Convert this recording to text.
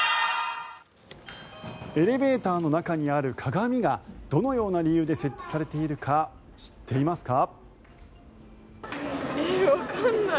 エレベーターの中にある鏡がどのような理由で設置されているか知っていますか？